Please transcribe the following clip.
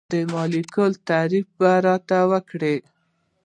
د مالیکول تعریف به راته وکړئ.